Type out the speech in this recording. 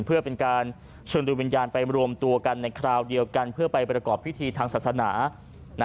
เพื่อเป็นการเชิญดูวิญญาณไปรวมตัวกันในคราวเดียวกันเพื่อไปประกอบพิธีทางศาสนา